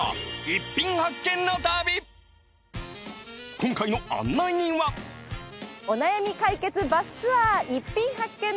今回の案内人は『お悩み解決バスツアー逸品発見の旅』。